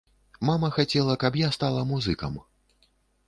Мама хацела, каб я стала музыкам.